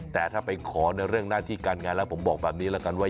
แต่ถ้าไปขอในเรื่องหน้าที่การงานแล้วผมบอกแบบนี้แล้วกันว่า